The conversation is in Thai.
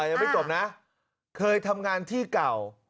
ยังไม่จบนะเคยทำงานที่เก่า